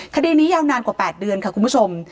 คดีนี้ยาวนานกว่า๘เดือนค่ะคุณผู้ชม